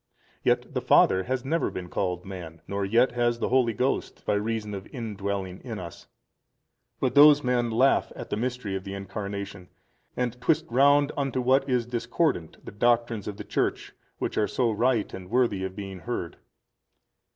Yet the Father has never been called man, nor yet has the Holy Ghost, by reason of indwelling in us: but those men laugh at the Mystery of the Incarnation and twist round unto what is discordant, the doctrines of the Church which are so right and worthy of being heard.